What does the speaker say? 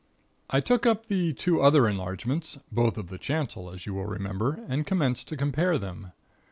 "I took up the two other enlargements, both of the chancel, as you will remember, and commenced to compare them.